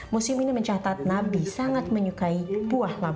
museum ini mencatat nabi sangat menyukai buah labu